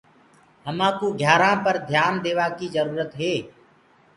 همآ ڪوُ گھيآرآنٚ پر ڌيآن ديوآ ڪي جروُرت هي۔